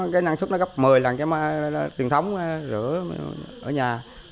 cái năng suất nó gấp một mươi lần cái truyền thống rửa ở nhà